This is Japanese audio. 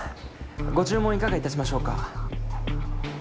ご注文いかがいたしましょうか。